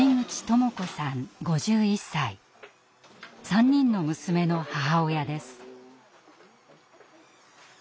３人の娘の母親です。